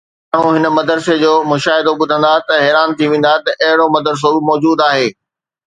جيڪڏهن ماڻهو هن مدرسي جو مشاهدو ٻڌندا ته حيران ٿي ويندا ته اهڙو مدرسو به موجود آهي.